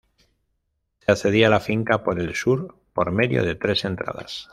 Se accedía a la finca por el sur, por medio de tres entradas.